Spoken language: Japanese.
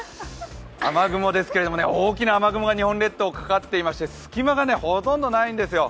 雨雲ですけれども、大きな雨雲が日本列島にかかっていまして、隙間がほとんどないんですよ。